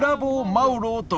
「マウロ！」と。